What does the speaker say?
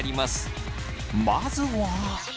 まずは。